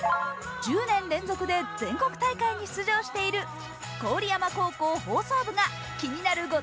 １０年連続で全国大会に出場している郡山高校放送部が気になる